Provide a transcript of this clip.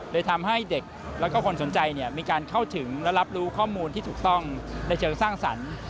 เลยทำให้เด็กและคนสนใจมีการเข้าถึงและรับรู้ข้อมูลที่ถูกต้องในเชิงสร้างสรรค์